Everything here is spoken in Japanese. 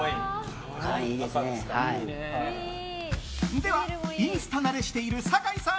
ではインスタ慣れしている酒井さん。